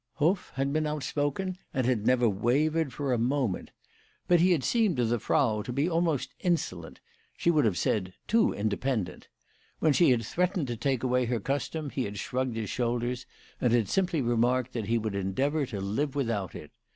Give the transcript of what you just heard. Hoff had been out spoken, and had never wavered for a moment. But he had seemed to the Frau to be almost insolent ; she would have said, too independent. When she had threatened to take away her custom he had shrugged his shoulders, and had simply remarked that he would endeavour to live without it.